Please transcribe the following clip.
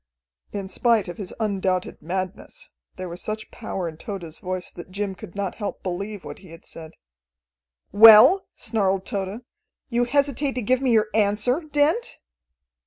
In spite of his undoubted madness, there was such power in Tode's voice that Jim could not help believe what he had said. "Well," snarled Tode. "You hesitate to give me your answer, Dent?"